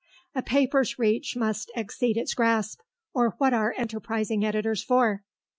A paper's reach must exceed its grasp, or what are enterprising editors for?